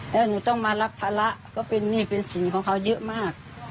แล้วหนูต้องมารับภาระก็เป็นหนี้เป็นสินของเขาเยอะมาก